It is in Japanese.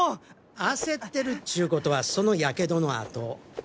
焦ってるっちゅうことはその火傷の痕